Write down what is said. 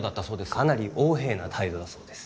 かなり横柄な態度だそうです